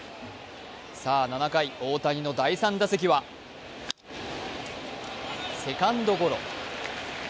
さあ７回、大谷の第３打席はセカンドゴロ。